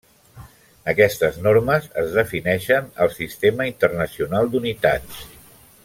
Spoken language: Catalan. Aquestes normes es defineixen al Sistema Internacional d'Unitats.